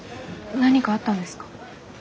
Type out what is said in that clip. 何かあったんですか？